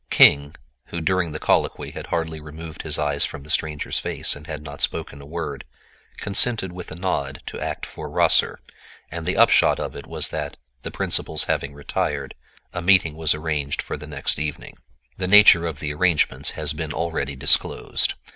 King, who during the colloquy had hardly removed his eyes from the stranger's face and had not spoken a word, consented with a nod to act for Rosser, and the upshot of it was that, the principals having retired, a meeting was arranged for the next evening. The nature of the arrangements has been already disclosed.